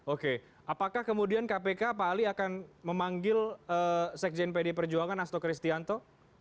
oke apakah kemudian kpk pak ali akan memanggil sekjen pd perjuangan asto kristianto